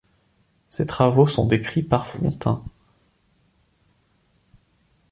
Ces travaux sont décrits par Frontin.